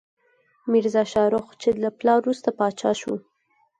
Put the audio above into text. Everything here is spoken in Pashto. میرزا شاهرخ، چې له پلار وروسته پاچا شو.